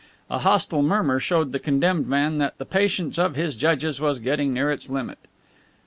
A hostile murmur showed the condemned man that the patience of his judges was getting near its limit.